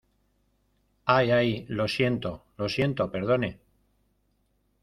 ¡ ay, ay! lo siento , lo siento. perdone .